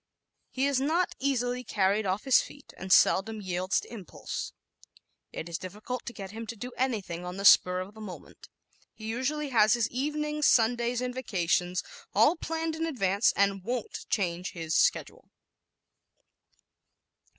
He is not easily carried off his feet and seldom yields to impulse. It is difficult to get him to do anything on the spur of the moment. He usually has his evenings, Sundays and vacations all planned in advance and won't change his schedule.